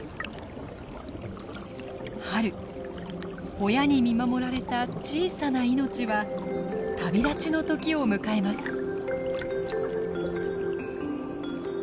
春親に見守られた小さな命は旅立ちの時を迎えます。